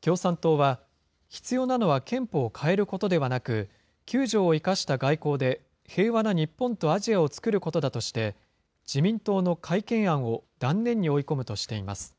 共産党は、必要なのは憲法を変えることではなく、９条を生かした外交で平和な日本とアジアをつくることだとして、自民党の改憲案を断念に追い込むとしています。